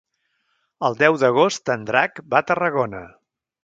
El deu d'agost en Drac va a Tarragona.